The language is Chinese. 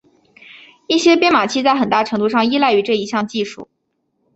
一些编码器在很大程度上依赖于这项技术。